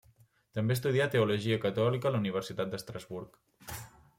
També estudià teologia catòlica a la Universitat d'Estrasburg.